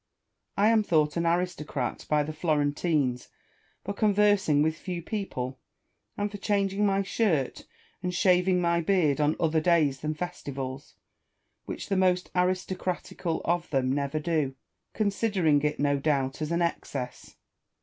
I am thought an aristocrat by the Florentines for conversing with few people, and for changing my shirt and shaving my beard on other days than festivals ; which the most aristocratical of them never do, considering it, no doubt, as an excess.